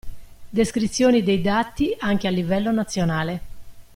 Descrizioni dei dati anche a livello nazionale.